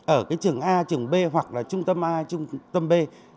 ở cái trường a trường b hoặc là trung tâm a trung tâm b